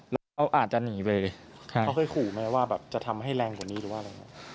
เราอาจจะหนีไปค่ะเขาเคยขู่ไหมว่าแบบจะทำให้แรงกว่านี้หรือว่าอะไร